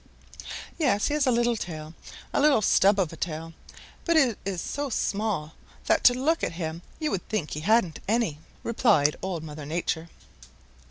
"Yes, he has a little tail, a little stub of a tail, but it is so small that to look at him you would think he hadn't any," replied Old Mother Nature.